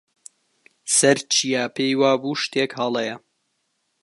سەرچیا پێی وا بوو شتێک هەڵەیە.